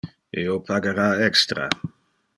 Io pagara extra.